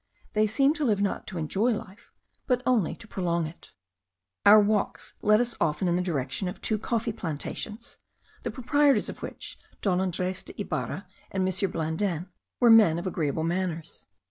They seem to live not to enjoy life, but only to prolong it. Our walks led us often in the direction of two coffee plantations, the proprietors of which, Don Andres de Ibarra and M. Blandin, were men of agreeable manners.